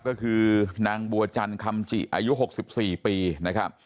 ก็คือนางบัวจันคำจิอายุหกสิบสี่ปีนะครับ